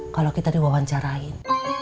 kalau kita diwawancarain